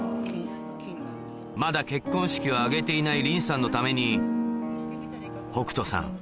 まだ結婚式を挙げていない凛さんのために北斗さん